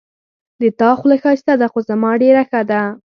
د تا خوله ښایسته ده خو زما ډېره ښه ده